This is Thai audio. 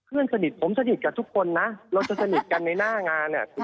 เพื่อนสนิทผมสนิทกับทุกคนนะเราจะสนิทกันในหน้างาน